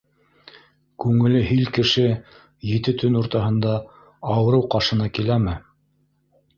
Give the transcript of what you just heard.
Күңеле һил кеше ете төн уртаһында ауырыу ҡашына киләме?!